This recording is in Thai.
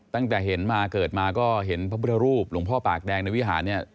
ตั้งแต่เห็นมาเกิดมาก็เห็นพระพุทธรูปหลวงพ่อปากแดงในวิหารเนี่ย